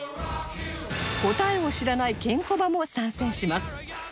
答えを知らないケンコバも参戦します